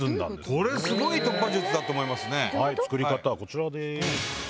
これ、すごい突破術だと思い作り方はこちらです。